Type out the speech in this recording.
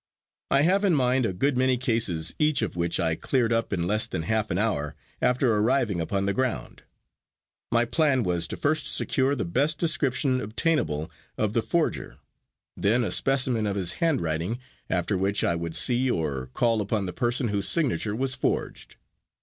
I have in mind a good many cases each of which I cleared up in less than half an hour after arriving upon the ground. My plan was to first secure the best description obtainable of the forger, then a specimen of his handwriting, after which I would see or call upon the person whose signature was forged.